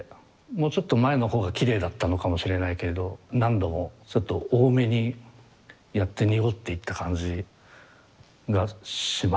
もうちょっと前の方がきれいだったのかもしれないけれど何度もちょっと多めにやって濁っていった感じがしますが。